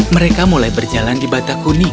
mereka mulai berjalan di batak kuning